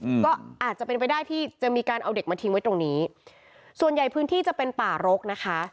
อืมก็อาจจะเป็นไปได้ที่จะมีการเอาเด็กมาทิ้งไว้ตรงนี้ส่วนใหญ่พื้นที่จะเป็นป่ารกนะคะ